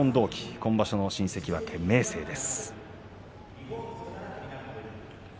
今場所の新関脇明生です。